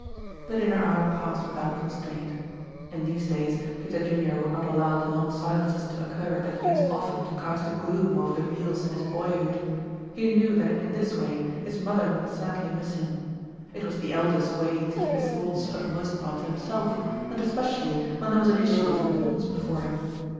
The dinner hour passed without constraint. In these days Peter Junior would not allow the long silences to occur that used often to cast a gloom over the meals in his boyhood. He knew that in this way his mother would sadly miss him. It was the Elder's way to keep his thoughts for the most part to himself, and especially when there was an issue of importance before him.